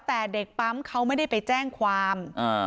แต่เด็กปั๊มเขาไม่ได้ไปแจ้งความ